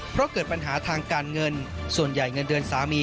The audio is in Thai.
เพราะเกิดปัญหาทางการเงินส่วนใหญ่เงินเดือนสามี